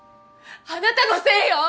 あなたのせいよ！